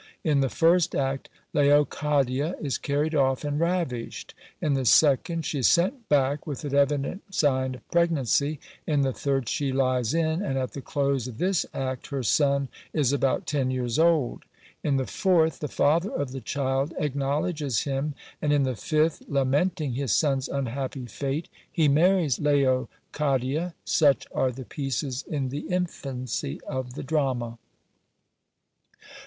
In the first act Leocadia is carried off and ravished. In the second she is sent back with an evident sign of pregnancy. In the third she lies in, and at the close of this act her son is about ten years old. In the fourth, the father of the child acknowledges him; and in the fifth, lamenting his son's unhappy fate, he marries Leocadia. Such are the pieces in the infancy of the drama.